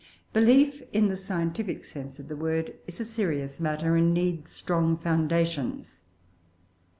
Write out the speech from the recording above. Belief, in the scientific sense of the word, is a serious matter, and needs strong foundations.